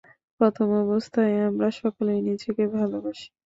প্রথম অবস্থায় আমরা সকলেই নিজেকে ভালবাসি।